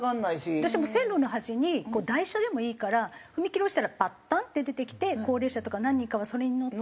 私も線路の端に台車でもいいから踏切落ちたらパッタンって出てきて高齢者とか何人かはそれに乗って。